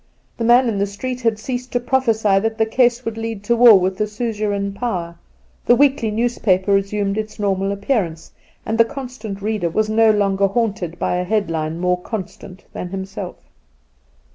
The man in the street had ceased to prophesy that the case would lead to war with the suzerain power, the weekly newspaper resumed its normal appearance, and the 'constant reader' was no longer haunted by a headline more constant than himself.